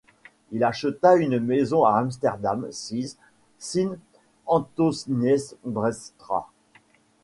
Il acheta une maison à Amsterdam sise Sint-Antoniesbreestraat.